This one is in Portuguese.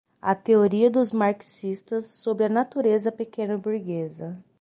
a teoria dos marxistas sobre a natureza pequeno-burguesa